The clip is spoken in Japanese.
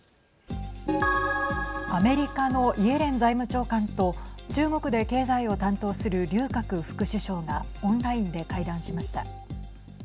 アメリカのイエレン財務長官と中国で経済を担当する劉鶴副首相がオンラインで会談しました。